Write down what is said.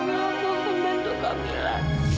mila bantu kak mila